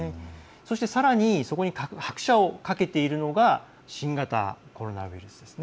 そして、さらにそこに拍車をかけているのが新型コロナウイルスです。